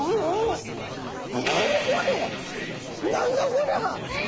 何だこりゃ！